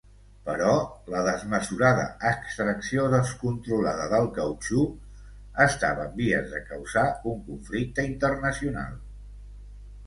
Però la desmesurada extracció descontrolada del cautxú estava en vies de causar un conflicte internacional.